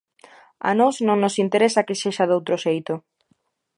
A nós non nos interesa que sexa doutro xeito.